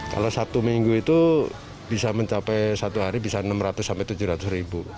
kalau satu minggu itu bisa mencapai satu hari bisa enam ratus sampai tujuh ratus ribu